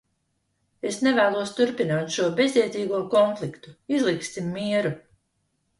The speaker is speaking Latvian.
Es nevēlos turpināt šo bezjēdzīgo konfliktu. Izlīgsim mieru!